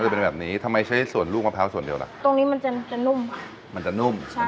เป็นแบบนี้ทำไมใช้ส่วนลูกมะพร้าวส่วนเดียวล่ะตรงนี้มันจะจะนุ่มค่ะมันจะนุ่มใช่